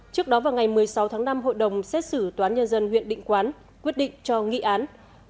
trước đó vào ngày một mươi sáu tháng năm hội đồng xét xử toán nhân dân huyện định quán quyết định cho nghị án